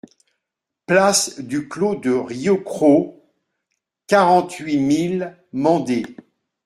Place du Clos de Rieucros, quarante-huit mille Mende